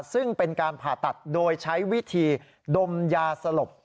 ซึ่งเป็นการผ่าตัดโดยใช้วิธีดมยาสลบ